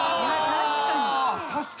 確かに。